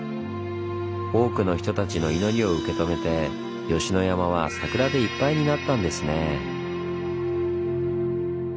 多くの人たちの祈りを受け止めて吉野山は桜でいっぱいになったんですね。